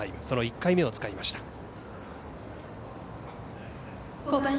その１回目を使いました。